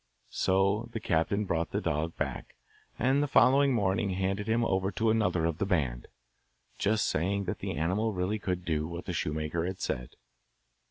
So the captain brought the dog back, and the following morning handed him over to another of the band, just saying that the animal really could do what the shoemaker had said.